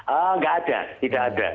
enggak ada tidak ada